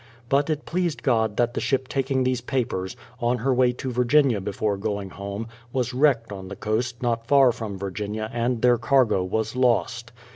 But it pleased God that the ship taking these papers, on her way to Virginia before going home, was wrecked on the coast not far from Virginia and their cargo was lost.